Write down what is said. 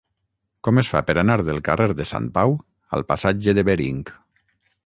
Com es fa per anar del carrer de Sant Pau al passatge de Bering?